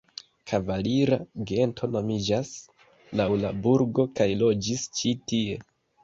Kavalira gento nomiĝas laŭ la burgo kaj loĝis ĉi-tie.